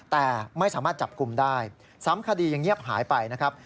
แต่ไม่สามารถจับกลุ่มได้ซ้ำคดียังเงียบหายไปนะครับ